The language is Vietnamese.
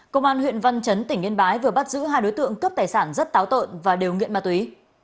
công an huyện văn chấn tỉnh yên bái vừa bắt giữ hai đối tượng cướp tài sản rất táo tợn và đều nghiện ma túy